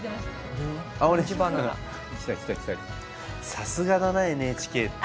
さすがだなＮＨＫって。